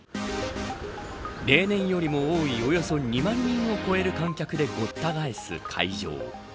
例年よりも多いおよそ２万人を超える観客でごったがえす会場。